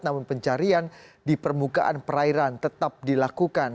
namun pencarian di permukaan perairan tetap dilakukan